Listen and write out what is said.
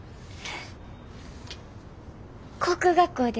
航空学校で。